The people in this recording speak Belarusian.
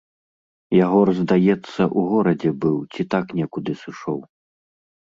Ягор, здаецца, у горадзе быў ці так некуды сышоў.